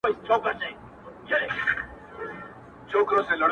زما د فكر د ائينې شاعره .